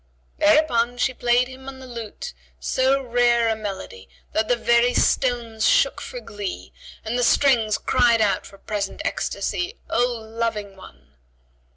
Thereupon she played him on the lute so rare a melody that the very stones shook for glee, and the strings cried out for present ecstasy, "O Loving One!"